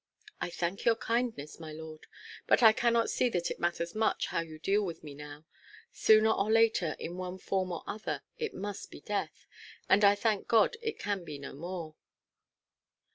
"I thank your kindness, my lord. But I cannot see that it matters much how you deal with me now. Sooner or later, in one form or other, it must be death; and I thank God it can be no more."